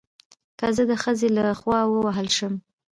که زه د ښځې له خوا ووهل شم